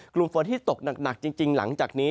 กลุ่มฝนที่ตกหนักจริงหลังจากนี้